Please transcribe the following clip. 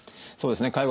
そうですね。